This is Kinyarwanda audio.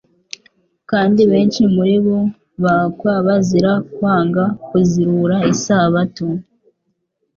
Kandi benshi muri bo bkwa bazira kwanga kuzirura isabato